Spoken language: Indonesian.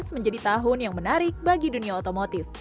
dua ribu menjadi tahun yang menarik bagi dunia otomotif